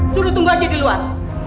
suruh tunggu aja di luar